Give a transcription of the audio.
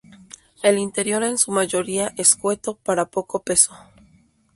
El interior es en su mayoría escueto para poco peso.